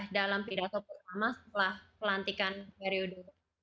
dalam pidato pertama setelah pelantikan periode